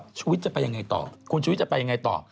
กลุ่มชูวิทธิ์จะไปยังไงต่อ